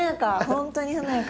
本当に華やか。